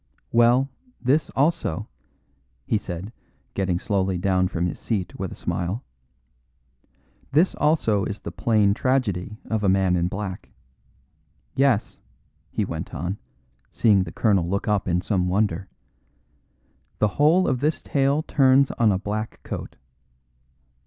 Well, this also," he said, getting slowly down from his seat with a smile, "this also is the plain tragedy of a man in black. Yes," he went on, seeing the colonel look up in some wonder, "the whole of this tale turns on a black coat.